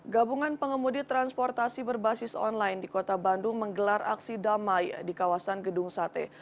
gabungan pengemudi transportasi berbasis online di kota bandung menggelar aksi damai di kawasan gedung sate